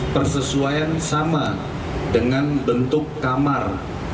persesuaian sama dengan bentuk kamar